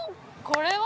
これは？